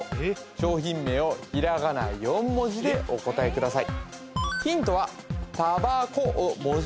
商品名をひらがな４文字でお答えください